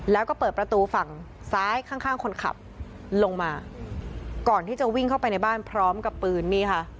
แล้วก็เปิดประตูฝั่งซ้ายข้างข้างคนขับลงมาก่อนที่จะวิ่งเข้าไปในบ้านพร้อมกับปืนนี่ค่ะ